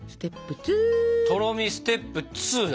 とろみステップ２だ。